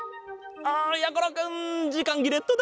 あやころくんじかんぎれットだ。